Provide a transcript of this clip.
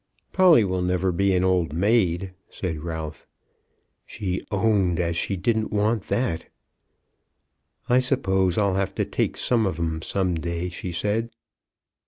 "Polly will never be an old maid," said Ralph. "She owned as she didn't want that. 'I suppose I'll have to take some of 'em some day,' she said.